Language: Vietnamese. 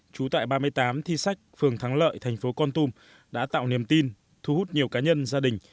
trú tại ba mươi tám thi sách phường thắng lợi thành phố con tum đã tạo niềm tin thu hút nhiều cá nhân gia đình